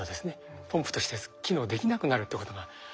ポンプとして機能できなくなるってことがありまして。